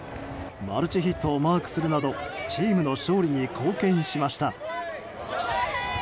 マルチヒットをマークするなどチームの勝利に貢献しました。